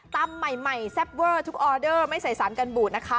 ตำใหม่แซ่บเวอร์ทุกออเดอร์ไม่ใส่สารกันบูดนะคะ